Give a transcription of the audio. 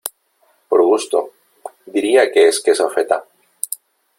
Por gusto, diría que es queso feta.